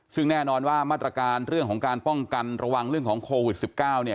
ซึ่งแน่นอนว่ามาตรการเรื่องของการป้องกันระวังเรื่องของโควิด๑๙เนี่ย